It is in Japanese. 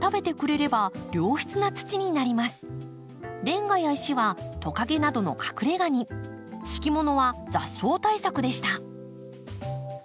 レンガや石はトカゲなどの隠れがに敷物は雑草対策でした。